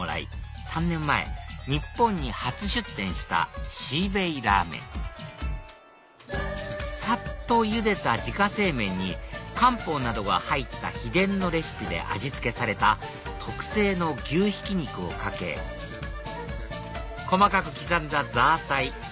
３年前日本に初出店した西北拉麺さっとゆでた自家製麺に漢方などが入った秘伝のレシピで味付けされた特製の牛ひき肉をかけ細かく刻んだザーサイ